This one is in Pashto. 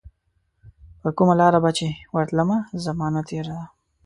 پرکومه لار به چي ورتلمه، زمانه تیره ده